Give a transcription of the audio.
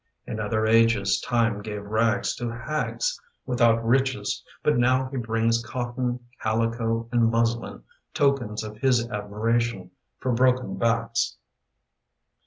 In other ages Time gave rags To hags without riches, but now he brings Cotton, calico, and muslin — Tokens of his admiration For broken backs.